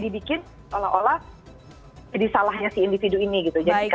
tapi dibikin oleh olah disalahnya si individu ini gitu